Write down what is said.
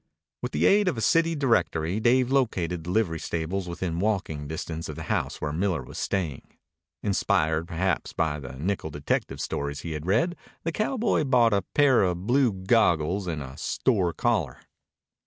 With the aid of a city directory Dave located the livery stables within walking distance of the house where Miller was staying. Inspired perhaps by the nickel detective stories he had read, the cowboy bought a pair of blue goggles and a "store" collar.